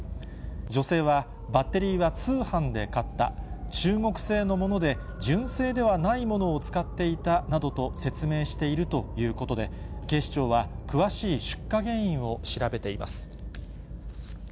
女性はバッテリーは通販で買った、中国製のもので、純正ではないものを使っていたなどと説明しているということで、警視庁は詳しい出火原因を調べています。